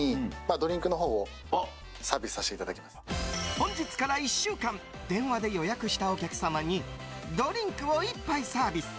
本日から１週間電話で予約したお客様にドリンクを１杯サービス。